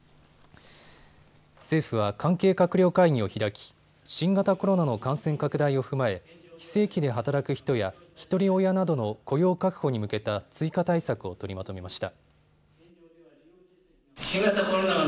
政府は関係閣僚会議を開き、新型コロナの感染拡大を踏まえ非正規で働く人やひとり親などの雇用確保に向けた追加対策を取りまとめました。